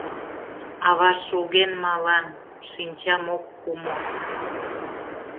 Ава шоген малан, шинчам ок кумо